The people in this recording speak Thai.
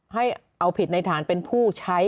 ให้เอาผิดในฐานเป็นผู้ใช้